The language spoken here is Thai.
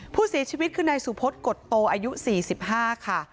ผู้เสียชีวิตคือนายสุพศกฎโตอายุ๔๕ค่ะ